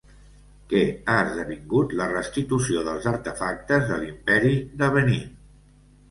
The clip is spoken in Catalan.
Què ha esdevingut la restitució dels artefactes de l'Imperi de Benín?